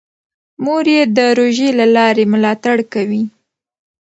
مور یې د روژې له لارې ملاتړ کوي.